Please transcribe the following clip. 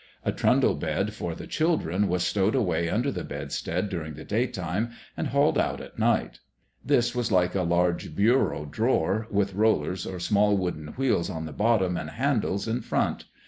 A trundle bed for the children was stowed away under the bedstead during the daytime and hauled out at night. This was like a large bureau drawer, with rollers or small wooden wheels on the bottom and handles in front.